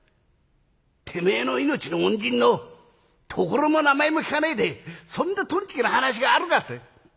てめえの命の恩人の所も名前も聞かねえでそんなトンチキな話があるかって！